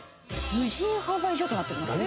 無人販売所となってます。